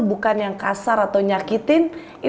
bukan yang kasar atau nyakitin